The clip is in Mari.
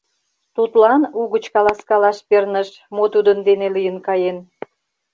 Тудлан угыч каласкалаш перныш, мо тудын дене лийын каен.